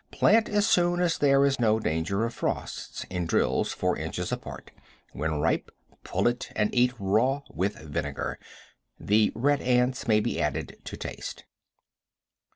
Plant as soon as there is no danger of frosts, in drills four inches apart. When ripe, pull it, and eat raw with vinegar. The red ants may be added to taste.